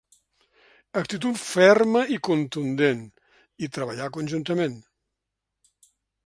Actitud ferma i contundent, i treballar conjuntament.